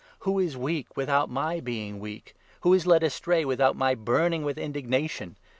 Who is weak without my 29 being weak ? Who is led astray without my burning with indignation